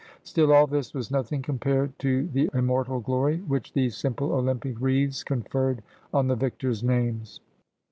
Still all this was nothing compared to the immortal glory which these simple Olympic wreaths conferred on the victors' names.